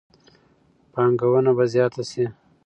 پانګونه به زیاته شي.